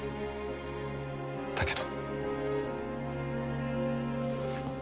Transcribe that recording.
だけど。